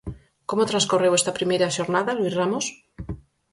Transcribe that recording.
Como transcorreu esta primeira xornada, Luís Ramos?